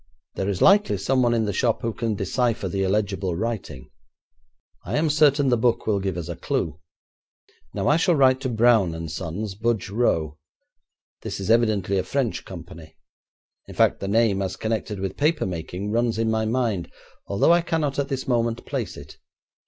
There is likely someone in the shop who can decipher the illegible writing. I am certain the book will give us a clue. Now, I shall write to Braun and Sons, Budge Row. This is evidently a French company; in fact, the name as connected with paper making runs in my mind, although I cannot at this moment place it.